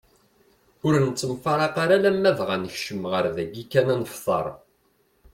Ur nettemfraq ara alamm dɣa ad nekcem ɣer dagi kan ad nefteṛ.